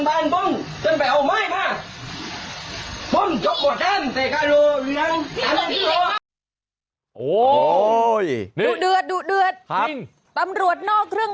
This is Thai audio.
บ้าจริงเดี๋ยวบ้าจริงเดี๋ยวเดี๋ยวบ้าจริง